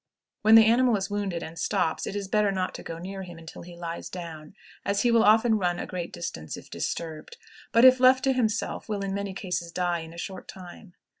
When the animal is wounded, and stops, it is better not to go near him until he lies down, as he will often run a great distance if disturbed; but if left to himself, will in many cases die in a short time.